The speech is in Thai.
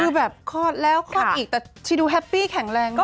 คือแบบคลอดแล้วคลอดอีกแต่ชีดูแฮปปี้แข็งแรงเนอ